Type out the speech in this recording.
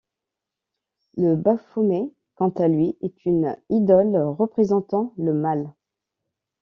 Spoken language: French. Le Baphomet, quant à lui, est une idole représentant le mal.